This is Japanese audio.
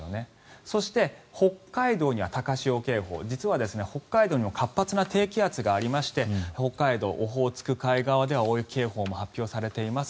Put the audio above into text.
そして北海道には高潮警報実は北海道にも活発な低気圧がありまして北海道・オホーツク海側では大雪警報も発表されています。